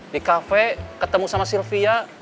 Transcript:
di kafe ketemu sama sylvia